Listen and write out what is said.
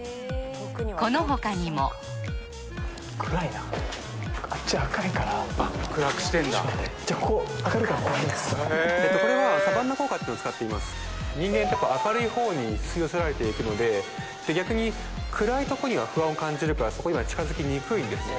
このほかにもあっちが明るいからちょっと待ってこここれはサバンナ効果っていうのを使っています人間ってやっぱ明るいほうに吸い寄せられていくので逆に暗いとこには不安を感じるからそこには近づきにくいんですね